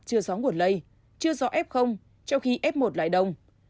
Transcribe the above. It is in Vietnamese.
chưa rõ nguồn lây chưa rõ f trong khi f một lại đông